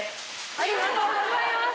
ありがとうございます。